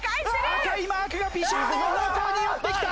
赤いマークが美少年方向に寄ってきた！